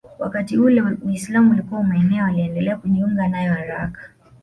Wakati ule Uislamu ulikuwa umeenea waliendelea kujiunga nayo haraka